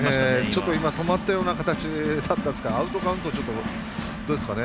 ちょっと止まったような形だったですからアウトカウント、どうですかね。